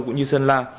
cũng như sơn la